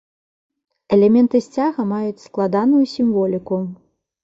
Элементы сцяга маюць складаную сімволіку.